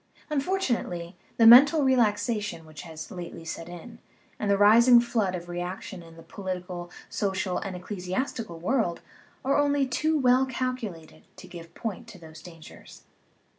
Unfortu nately, the mental relaxation which has lately set in, and the rising flood of reaction in the political, social, and ecclesiastical world, are only too well calculated to give point to those dangers.